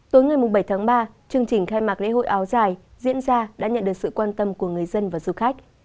tối ngày bảy tháng ba chương trình khai mạc lễ hội áo dài diễn ra đã nhận được sự quan tâm của người dân và du khách